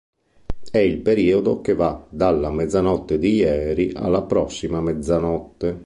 È il periodo che va dalla mezzanotte di ieri alla prossima mezzanotte.